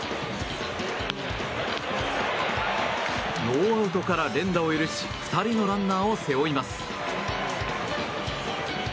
ノーアウトから連打を許し２人のランナーを背負います。